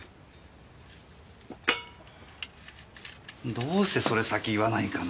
どうしてそれ先言わないかな。